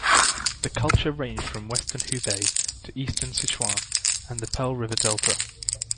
The culture ranged from western Hubei to eastern Sichuan and the Pearl River Delta.